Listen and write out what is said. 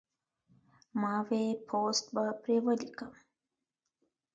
ما وې پوسټ به پرې وليکم